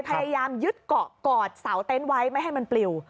พยายามยึดเกาะกอดเสาเต็นต์ไว้ไม่ให้มันปลิว